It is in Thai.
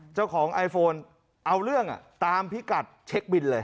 เจ้าของไอโฟนเอาเรื่องตามพิกัดเช็คบินเลย